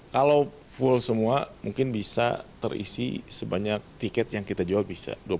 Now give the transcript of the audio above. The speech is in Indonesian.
kalau full semua mungkin bisa terisi sebanyak tiket yang kita jual bisa